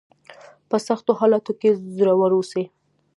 په سختو حالاتو کې زړور اوسئ.